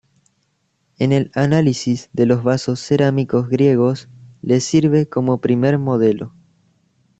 En el análisis de los vasos cerámicos griegos le sirve como primer modelo.